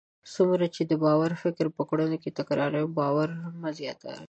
څومره چې د باور فکر په کړنو کې تکراروئ، باور مو زیاتیږي.